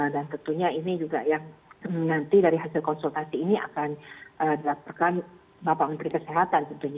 dan tentunya ini juga yang nanti dari hasil konsultasi ini akan dilakukan bapak menteri kesehatan tentunya